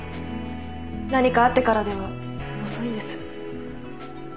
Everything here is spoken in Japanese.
何かあってからでは遅いんです。